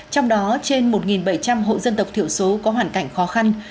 trong đó trên một bảy trăm linh hộ dân tộc thiểu số có hoàn cảnh khó khăn